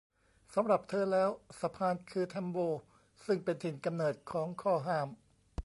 สำหรับเธอแล้วสะพานคือแทมโบซึ่งเป็นถิ่นกำเนิดของข้อห้าม